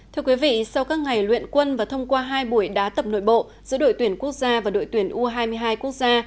thưa quý vị sau các ngày luyện quân và thông qua hai buổi đá tập nội bộ giữa đội tuyển quốc gia và đội tuyển u hai mươi hai quốc gia